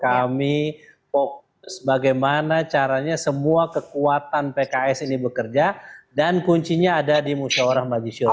kami fokus bagaimana caranya semua kekuatan pks ini bekerja dan kuncinya ada di musyawarah majisyawarah